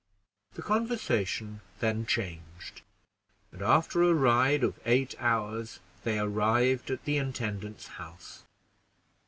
The conversation then changed, and, after a ride of eight hours, they arrived at the intendant's house.